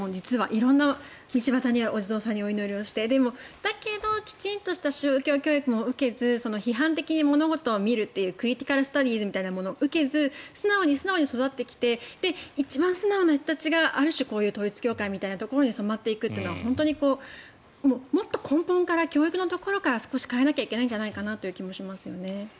色々、道端にあるお地蔵さんにお祈りをしてだけどきちんとした宗教教育を受けず批判的に物事を見るというクリティカル・スタディーズみたいなものをせず素直に育ってきて一番素直な人たちがある種、統一教会みたいなところに染まっていくっていうのは本当にもっと根本から教育のところから少し変えなきゃいけないという気がしますね。